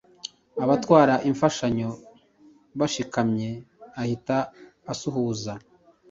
Abatwara imfashanyo bashikamye ahita asuhuza